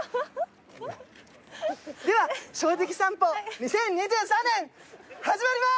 では『正直さんぽ』２０２３年始まりまーす！